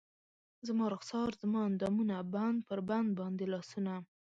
زما رخسار زما اندامونه بند پر بند باندې لاسونه